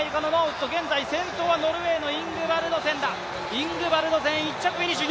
イングバルドセン、１着フィニッシュ！